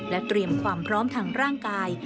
เตรียมความพร้อมทางร่างกาย